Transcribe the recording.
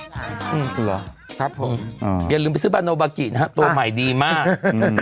เหรอครับผมอย่าลืมไปซื้อบาโนบากินะฮะตัวใหม่ดีมากอืม